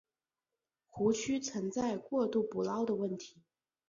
湖区存在过度捕捞的问题。